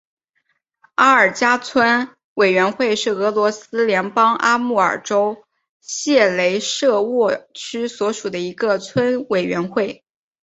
阿尔加村委员会是俄罗斯联邦阿穆尔州谢雷舍沃区所属的一个村委员会。